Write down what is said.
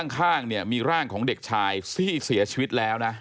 ข้างเนี่ยมีร่างของเด็กชายซี่เสียชีวิตแล้วนะ